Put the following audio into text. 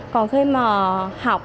còn khi mà học